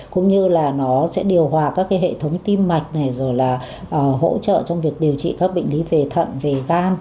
cũng như là nó sẽ điều hòa các cái hệ thống tim mạch này rồi là hỗ trợ trong việc điều trị các bệnh lý về thận về gan